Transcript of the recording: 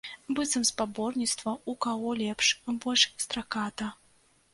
Быццам спаборніцтва, у каго лепш, больш страката.